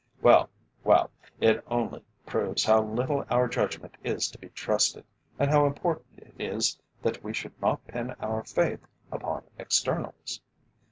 Well, well, it only proves how little our judgment is to be trusted, and how important it is that we should not pin our faith upon externals.